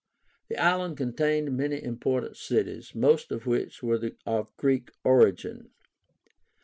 The island contained many important cities, most of which were of Greek origin.